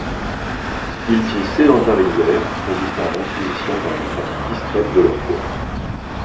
Ils s'y sédentarisèrent, résistant à l'Inquisition par une pratique discrète de leur foi.